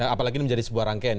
apalagi ini menjadi sebuah rangkaian